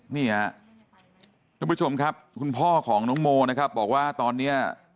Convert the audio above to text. นี่ฮะทุกผู้ชมครับคุณพ่อของน้องโมนะครับบอกว่าตอนนี้